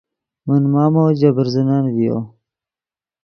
من مامو ژے برزنن ڤیو